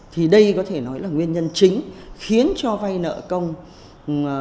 thì đây có thể nói là nguyên nhân chính khiến cho vay nợ công